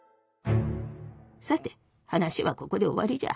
さて話はここで終わりじゃ。